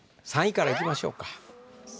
３位からいきましょうか。